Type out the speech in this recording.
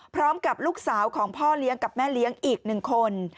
พร้อมกับลูกสาวของพ่อเลี้ยงกับแม่เลี้ยงอีก๑คน